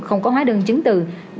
không có hóa đơn chứng tử